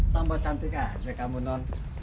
tambah cantik aja kamu non